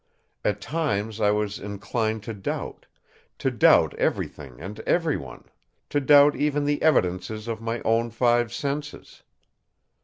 At times I was inclined to doubt; to doubt everything and every one; to doubt even the evidences of my own five senses.